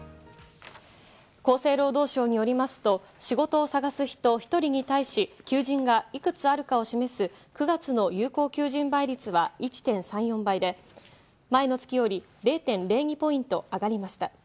厚生労働省によりますと、仕事を探す人１人に対し、求人がいくつあるかを示す９月の有効求人倍率は１．３４倍で、前の月より０．０２ポイント上がりました。